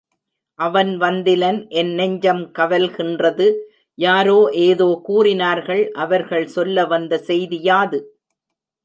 அவன் வந்திலன் என் நெஞ்சம் கவல்கின்றது யாரோ ஏதோ கூறினார்கள் அவர்கள் சொல்ல வந்த செய்தி யாது?